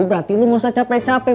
berarti lu gak usah capek capek